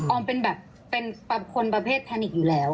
อมเป็นแบบเป็นคนประเภทแทนิกอยู่แล้ว